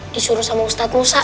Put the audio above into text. disuruh sama ustad musa